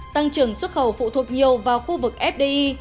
tăng trưởng xuất khẩu phụ thuộc nhiều vào khu vực fdi